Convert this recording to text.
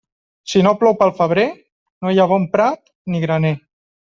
Si no plou pel febrer, no hi ha bon prat ni graner.